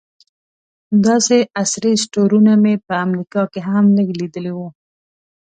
داسې عصري سټورونه مې په امریکا کې هم لږ لیدلي وو.